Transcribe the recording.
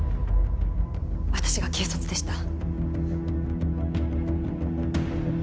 私が軽率でした。